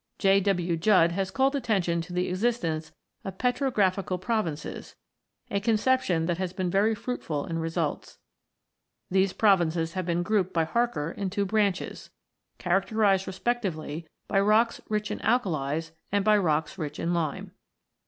J. W. Juddfe*) has called attention to the existence of petrographical provinces, a conception that has been very fruitful in results. These provinces have been grouped by Harker(85) in two branches, characterised respectively by rocks rich in alkalies and by rocks rich in lime.